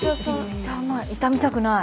傷みたくない。